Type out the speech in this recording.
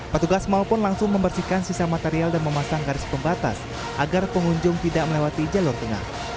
petugas mal pun langsung membersihkan sisa material dan memasang garis pembatas agar pengunjung tidak melewati jalur tengah